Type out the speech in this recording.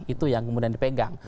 itu yang kemudian di pegang